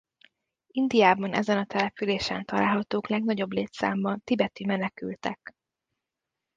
Indiában ezen a településen találhatók legnagyobb létszámban tibeti menekültek.